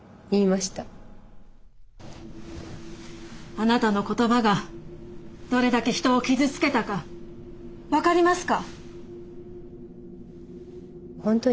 あなたの言葉がどれだけ人を傷つけたか分かりますか？